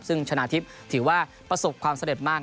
ซึ่งชนะทิพย์ถือว่าประสบความสำเร็จมาก